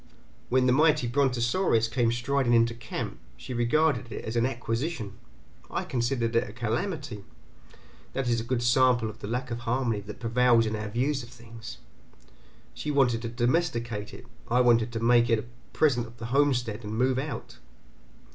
When the mighty brontosaurus came striding into camp, she regarded it as an acquisition, I considered it a calamity; that is a good sample of the lack of harmony that prevails in our views of things. She wanted to domesticate it, I wanted to make it a present of the homestead and move out.